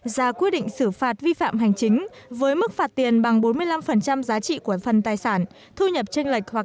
ra quy định xử phạt vi phạm hành chính với mức phạt tiền bằng bốn mươi năm giá trị quản lý